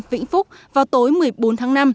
vĩnh phúc vào tối một mươi bốn tháng năm